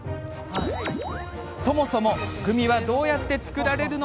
そもそもグミってどうやって作っているの？